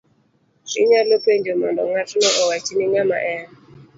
Inyalo penjo mondo ngato owachni ng'ama en;